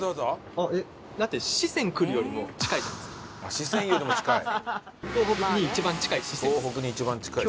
四川よりも近い。